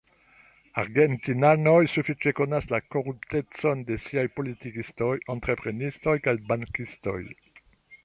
Argentinanoj sufiĉe konas la koruptecon de siaj politikistoj, entreprenistoj kaj bankistoj.